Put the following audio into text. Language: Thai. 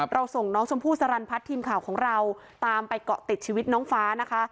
ส่งน้องชมพู่สรรพัฒน์ทีมข่าวของเราตามไปเกาะติดชีวิตน้องฟ้านะคะ